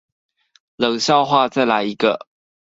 冷笑話再來一個